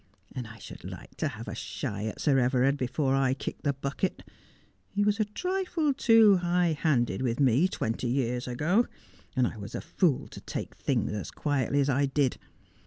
And I should like to have a shy at Sir Everard before I kick the bucket. He was a trifle too high handed with me twenty years ago, and I was a fool to take things as quietly as I did.'